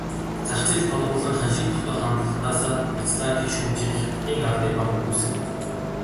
Зах зээлд тулгуурлан ханшийг тогтоох амлалтаасаа няцлаа гэх шүүмжийг Хятадын ардын банк үгүйсгэв.